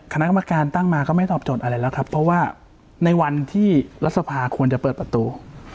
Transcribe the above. คณะกรรมการตั้งมาก็ไม่ตอบโจทย์อะไรแล้วครับเพราะว่าในวันที่รัฐสภาควรจะเปิดประตู